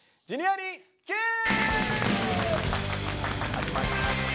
始まりました